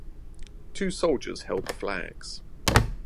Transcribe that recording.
Two soldiers held flags.